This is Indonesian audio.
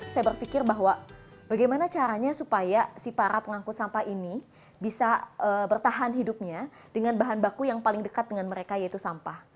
saya berpikir bahwa bagaimana caranya supaya si para pengangkut sampah ini bisa bertahan hidupnya dengan bahan baku yang paling dekat dengan mereka yaitu sampah